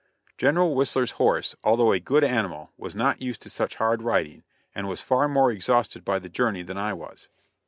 General Whistler's horse, although a good animal, was not used to such hard riding, and was far more exhausted by the journey than I was.